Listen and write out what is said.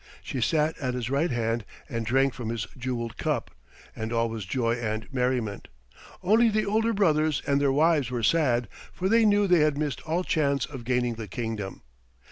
She sat at his right hand and drank from his jewelled cup, and all was joy and merriment. Only the older brothers and their wives were sad, for they knew they had missed all chance of gaining the kingdom.